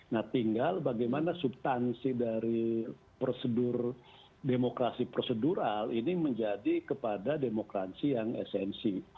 nah tinggal bagaimana subtansi dari prosedur demokrasi prosedural ini menjadi kepada demokrasi yang esensi